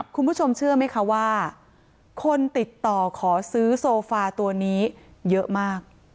คุณผู้ชมเชื่อไหมคะว่าคนติดต่อขอซื้อโซฟาตัวนี้เยอะมาก